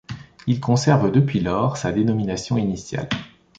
Il conserve depuis lors sa dénomination initiale.